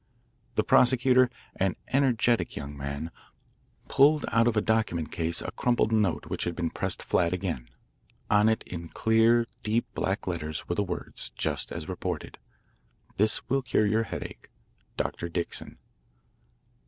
The prosecutor, an energetic young man, pulled out of a document case a crumpled note which had been pressed flat again. On it in clear, deep black letters were the words, just as reported: This will cure your headache. DR. Dixon.